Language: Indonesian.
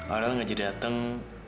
aurel nggak jadi datang